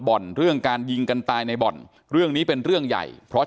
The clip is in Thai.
บ่อนเรื่องการยิงกันตายในบ่อนเรื่องนี้เป็นเรื่องใหญ่เพราะ